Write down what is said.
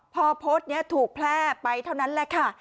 พ่อพฤศถูกแพร่ไปเท่านั้นแหละค่ะ